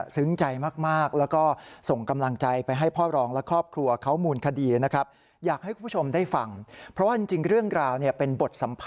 สัมภาษณ์๕นาทีกว่านะครับ